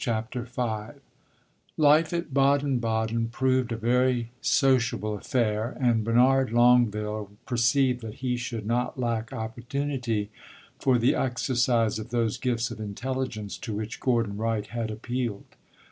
CHAPTER V Life at Baden Baden proved a very sociable affair, and Bernard Longueville perceived that he should not lack opportunity for the exercise of those gifts of intelligence to which Gordon Wright had appealed.